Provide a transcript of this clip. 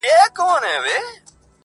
قدرت ژوند- دین او ناموس د پاچاهانو-